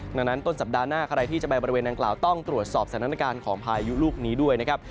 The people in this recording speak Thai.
ดังนั้นต้นสัปดาห์หน้าใครที่จะไปบริเวณนางกล่าวต้องตรวจสอบสถานการณ์ของพายุลูกนี้ด้วยนะครับ